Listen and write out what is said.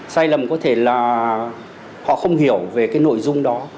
sai lầm có thể là họ không hiểu về cái nội dung đó